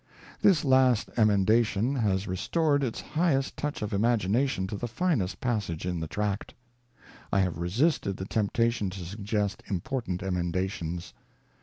This last emendation has restored its highest touch of imagination to the finest passage in the tract. I have resisted the temptation to suggest important emendations.